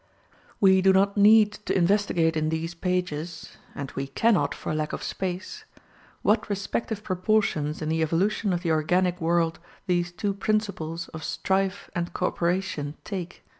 We do not need to investigate in these pages and we cannot for lack of space what respective proportions in the evolution of the organic world these two principles of strife and co operation take.